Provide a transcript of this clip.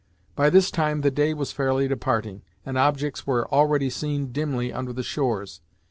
By this time the day was fairly departing, and objects were already seen dimly under the shores.